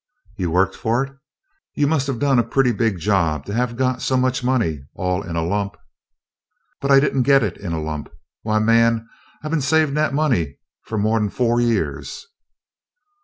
"You worked for it? You must have done a pretty big job to have got so much money all in a lump?" "But I did n't git it in a lump. Why, man, I 've been savin' dat money fu mo'n fo' yeahs."